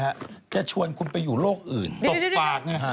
ถ้าสมมุติวันนี้เค้าบอกจะต้องมีการย้ายคุณย้าย